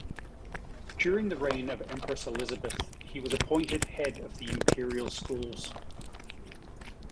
During the reign of Empress Elizabeth he was appointed head of the Imperial Schools.